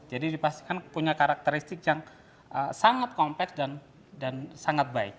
jadi dipastikan punya karakteristik yang sangat kompleks dan sangat baik